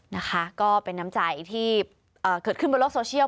นะคะก็เป็นน้ำใจที่เกิดขึ้นบนโลกโซเชียล